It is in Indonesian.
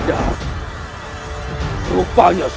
dan saya akan menyerah